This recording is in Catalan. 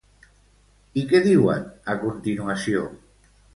I què diuen a continuació?